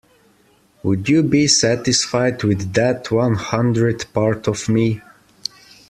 Would you be satisfied with that one hundredth part of me.